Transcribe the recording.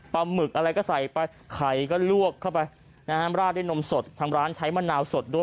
หมึกอะไรก็ใส่ไปไข่ก็ลวกเข้าไปนะฮะราดด้วยนมสดทางร้านใช้มะนาวสดด้วย